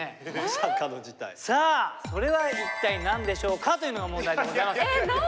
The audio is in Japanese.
さあそれは一体何でしょうかというのが問題でございます。